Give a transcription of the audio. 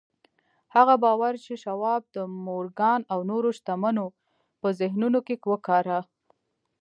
هغه باور چې شواب د مورګان او نورو شتمنو په ذهنونو کې وکاره.